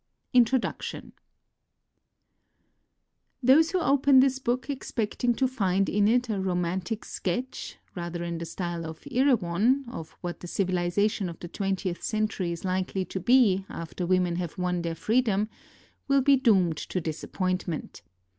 INTRODUCTION Those who open this book expecting to find in it a romantic sketch, rather in the style of Erewhon, of what the civilisation of the twentieth century is likely to be after women have won their freedom, will be doomed to disappointment.